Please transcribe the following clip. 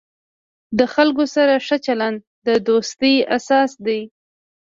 د خلکو سره ښه چلند، د دوستۍ اساس دی.